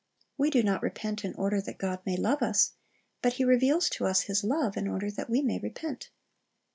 "* We do not repent in order that God may love us, but He reveals to us His love in order that we may repent.